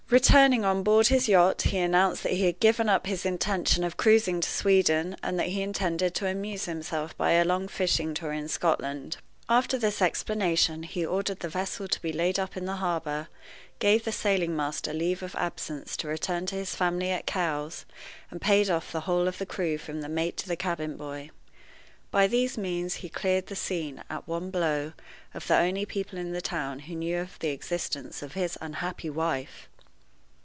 Returning on board his yacht he announced that he had given up his intention of cruising to Sweden and that he intended to amuse himself by a long fishing tour in Scotland. After this explanation, he ordered the vessel to be laid up in the harbor, gave the sailing master leave of absence to return to his family at Cowes, and paid off the whole of the crew from the mate to the cabin boy. By these means he cleared the scene, at one blow, of the only people in the town who knew of the existence of his unhappy wife.